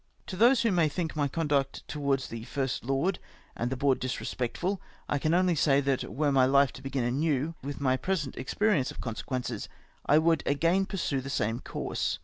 To those who may think my conduct towards the First Lord and the Board disrespectful, I can only say, that were my hfe to begin anew, with my present experience of consequences, I would again pursue the same course.